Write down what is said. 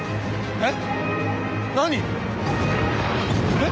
えっ！